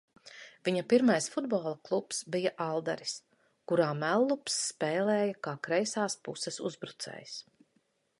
Viņa pirmais futbola klubs bija Aldaris, kurā Mellups spēlēja kā kreisās puses uzbrucējs.